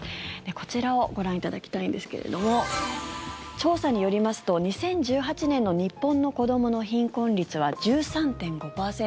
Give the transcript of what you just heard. こちらをご覧いただきたいんですけれども調査によりますと２０１８年の日本の子どもの貧困率は１３．５％。